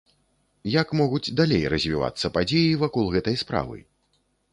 Як могуць далей развівацца падзеі вакол гэтай справы?